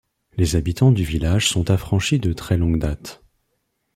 Les habitants du village sont affranchis de très longue date.